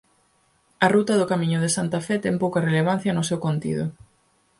A ruta do camiño de Santa Fe ten pouca relevancia no seu contido.